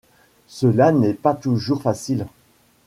Cela n’est pas toujours facile.